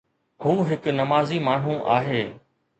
هو هڪ نمازي ماڻهو آهي